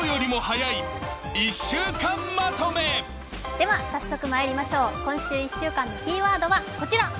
では早速まいりましょう、今週１週間のキーワードはこちら。